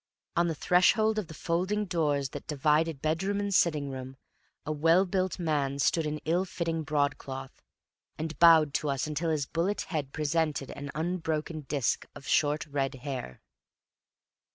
On the threshold of the folding doors that divided bedroom and sitting room, a well built man stood in ill fitting broadcloth, and bowed to us until his bullet head presented an unbroken disk of short red hair.